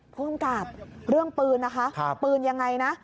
ภูมิกับเรื่องปืนนะคะปืนยังไงนะ